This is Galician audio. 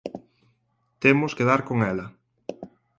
Temos que dar con ela.